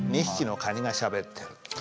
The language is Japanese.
２匹の蟹がしゃべってる。